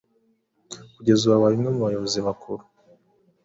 kugeza ubwo abaye umwe mu bayobozi bakuru